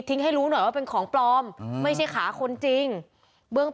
ให้รู้หน่อยว่าเป็นของปลอมไม่ใช่ขาคนจริงเบื้องต